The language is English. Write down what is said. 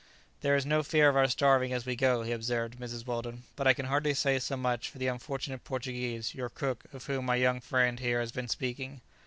"There is no fear of our starving as we go," he observed to Mrs. Weldon; "but I can hardly say so much for the unfortunate Portuguese, your cook, of whom my young friend here has been speaking."